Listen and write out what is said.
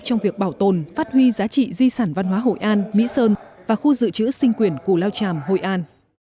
trong việc bảo tồn phát huy giá trị di sản văn hóa hội an mỹ sơn và khu dự trữ sinh quyển củ lao tràm hội an